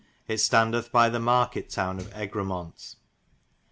Yt stondeth by the market towne of Egremont.